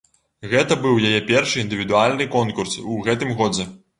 Гэта быў яе першы індывідуальны конкурс у гэтым годзе.